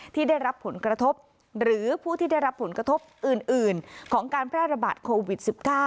ที่ได้รับผลกระทบหรือผู้ที่ได้รับผลกระทบอื่นของการแพร่ระบาดโควิด๑๙